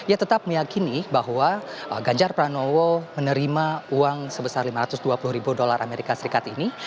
saya terdakwa meyakini bahwa gajar pranowo menerima uang sebesar rp lima ratus dua puluh amerika serikat ini